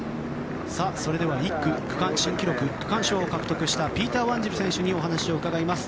それでは１区、区間新記録区間賞を獲得したピーター・ワンジル選手にお話を伺います。